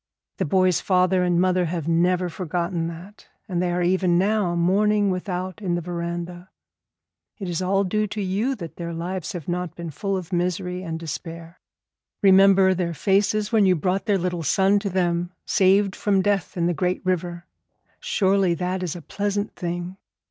The boy's father and mother have never forgotten that, and they are even now mourning without in the veranda. It is all due to you that their lives have not been full of misery and despair. Remember their faces when you brought their little son to them saved from death in the great river. Surely that is a pleasant thing.